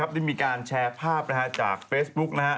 ได้มีการแชร์ภาพจากเฟซบุ๊ก